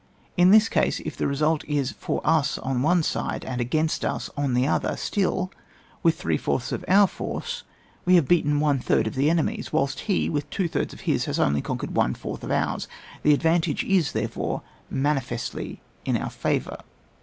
In this case, if the result is for us on one side, and against us on the other, stiU, with three fourths of our force, we have beaten one third of the enemy's ; whilst he, with two thirds of his, has only conquered one fourth of ours — the advantage is, therefore, mani festly in our favour.